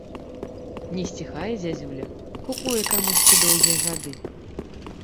Не сціхае зязюля, кукуе камусьці доўгія гады.